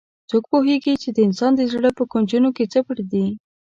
څوک پوهیږي چې د انسان د زړه په کونجونو کې څه پټ دي